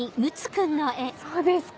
そうですか？